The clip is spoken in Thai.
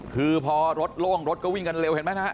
คือพอรถโล่งรถก็วิ่งกันเร็วเห็นไหมนะฮะ